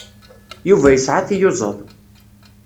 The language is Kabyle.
Yuba yesɛa tiyuzaḍ.